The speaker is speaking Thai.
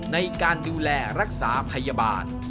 ในการดูแลรักษาพยาบาล